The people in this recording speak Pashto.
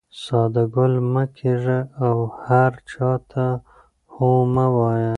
ساده ګل مه کېږه او هر چا ته هو مه وایه.